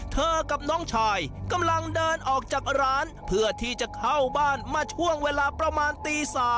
กับน้องชายกำลังเดินออกจากร้านเพื่อที่จะเข้าบ้านมาช่วงเวลาประมาณตี๓